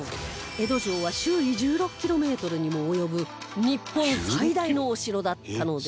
江戸城は周囲１６キロメートルにも及ぶ日本最大のお城だったのです